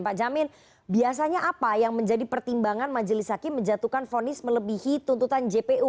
pak jamin biasanya apa yang menjadi pertimbangan majelis hakim menjatuhkan fonis melebihi tuntutan jpu